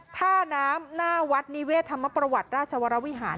ท่าน้ำหน้าวัดนิเวศธรรมประวัติราชวรวิหาร